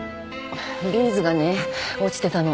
ビーズがね落ちてたの。